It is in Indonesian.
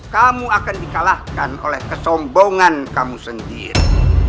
kamu akan dikalahkan oleh kesombongan kamu sendiri